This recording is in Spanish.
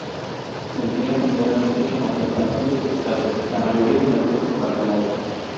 Se emplea generalmente en la preparación de pescados, la mayoría de las veces bacalao.